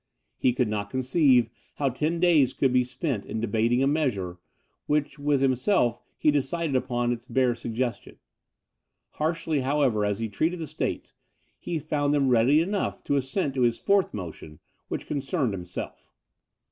He could not conceive how ten days could be spent in debating a measure, which with himself was decided upon its bare suggestion. Harshly, however, as he treated the States, he found them ready enough to assent to his fourth motion, which concerned himself.